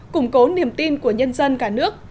củng cố niềm tin của nhân dân cả nước